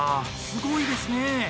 すごいですね。